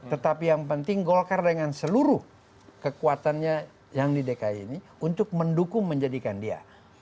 tetapi yang penting golkar dengan seluruh kekuatannya yang di dki ini untuk mendukung menjadikan dia